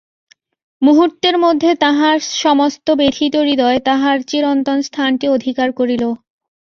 মুহূর্তের মধ্যে তাঁহার সমস্ত ব্যথিত হৃদয় তাহার চিরন্তন স্থানটি অধিকার করিল।